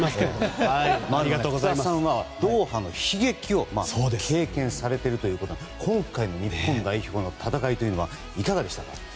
福田さんはドーハの悲劇を経験されているということですが今回の日本代表の戦いというのはいかがでしたか？